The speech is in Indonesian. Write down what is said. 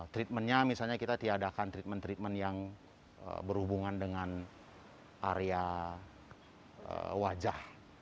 treatmentnya misalnya kita tiadakan treatment treatment yang berhubungan dengan area wajah